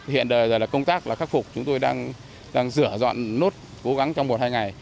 hiện giờ công tác là khắc phục chúng tôi đang sửa dọn nốt cố gắng trong một hai ngày